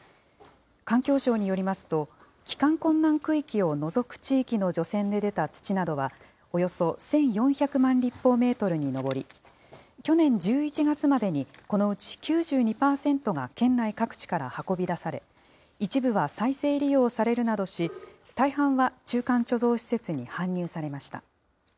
環境省によりますと、帰還困難区域を除く地域の除染で出た土などはおよそ１４００万立方メートルに上り、去年１１月までに、このうち９２％が県内各地から運び出され、一部は再生利用されるなどし、大半は中間貯蔵施設に搬入されました。